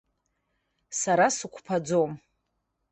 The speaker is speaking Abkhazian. Сара сықәԥаӡом.